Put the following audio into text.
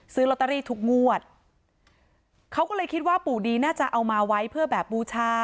ซื้อลอตเตอรี่ทุกงวดเขาก็เลยคิดว่าปู่ดีน่าจะเอามาไว้เพื่อแบบบูชา